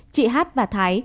chị h và thái